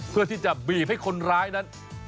เพื่อที่จะบีบให้คนร้ายนั้น